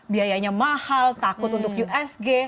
biayanya mahal takut untuk usg